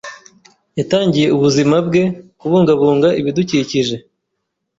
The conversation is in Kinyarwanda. Yitangiye ubuzima bwe kubungabunga ibidukikije.